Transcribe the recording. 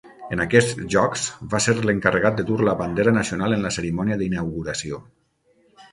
En aquests Jocs va ser l'encarregat de dur la bandera nacional en la cerimònia d'inauguració.